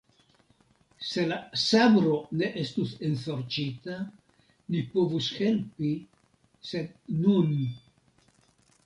Se la sabro ne estus ensorĉita, mi povus helpi, sed nun.